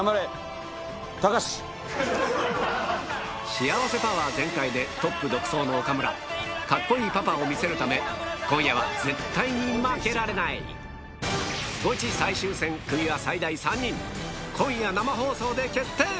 幸せパワー全開でトップ独走の岡村カッコいいパパを見せるため今夜は絶対に負けられない今夜生放送で決定！